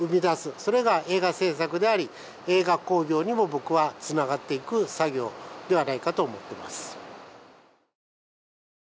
それが映画製作であり映画興行にも僕はつながっていく作業ではないかと思っています。